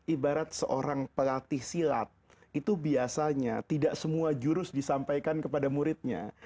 ibarat seorang pelatih silat itu biasanya tidak semua jurus disampaikan kepada muridnya